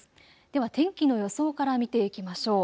では天気の予想から見ていきましょう。